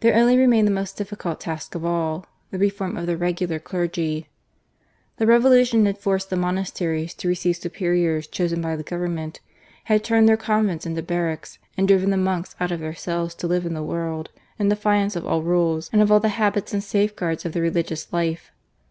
There only remained the most difficult task of all — ^the reform of the regular clergy. The Revolu tion had forced the monasteries to receive superiors chosen by the Government ; had turned their con vents into barracks, and driven the monks out of their cells to live in the world, in defiance of all rules and of all the habits and safeguards of the religious life.